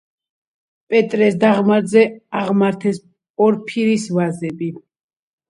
პეტრეს დაღმართზე აღმართეს პორფირის ვაზები.